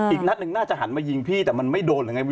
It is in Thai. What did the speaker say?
อีกนัดหนึ่งน่าจะหันมายิงพี่แต่มันไม่โดนหรือไง